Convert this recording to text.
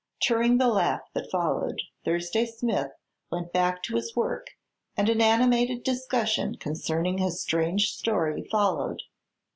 During the laugh that followed, Thursday Smith went back to his work and an animated discussion concerning his strange story followed.